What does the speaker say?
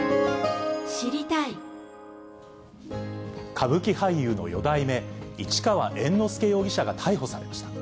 歌舞伎俳優の四代目、市川猿之助容疑者が逮捕されました。